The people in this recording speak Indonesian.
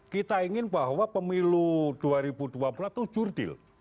kita ingin bahwa pemilu dua ribu dua puluh empat itu jurdil